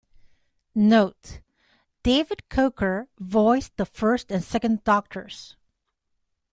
Note: David Coker voiced the First and Second Doctors.